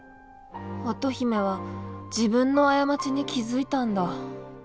乙姫は自分の過ちに気付いたんだ。